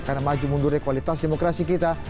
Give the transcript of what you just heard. karena maju mundurnya kualitas demokrasi kita